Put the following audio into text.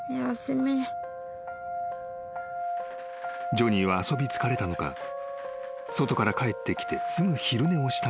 ［ジョニーは遊び疲れたのか外から帰ってきてすぐ昼寝をしたのだが］